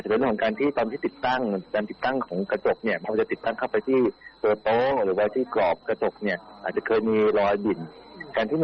บางครั้งการที่เราใส่ไปใน